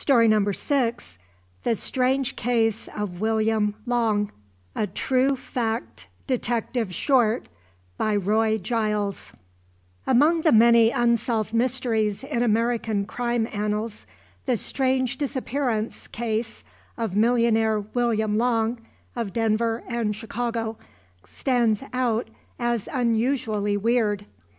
THE END THE STRANGE CASE OF WILLIAM LONG by ROY GILES A TRUE FACT DETECTIVE SHORT Among the many unsolved mysteries in American crime annals the strange disappearance case of millionaire William Long, of Denver and Chicago, stands out as unusually weird.